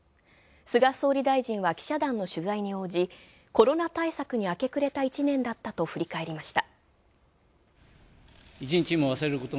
菅総理大臣は記者団の取材に応じ、コロナ対策に明け暮れた１年だったと振り返りました。